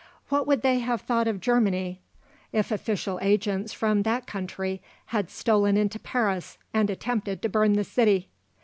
What would they have thought of Germany, if official agents from that country had stolen into Paris and attempted to burn the city.